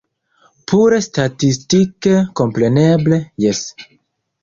Pure statistike kompreneble jes.